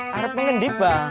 harap pengen dibang